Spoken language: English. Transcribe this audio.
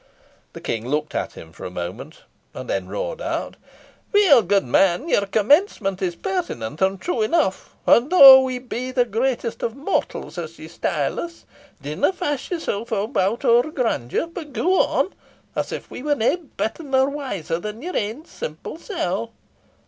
The King looked at him for a moment, and then roared out "Weel, gudeman, your commencement is pertinent and true enough; and though we be 'the greatest of mortals,' as ye style us, dinna fash yoursel' about our grandeur, but go on, as if we were nae better nor wiser than your ain simple sel'."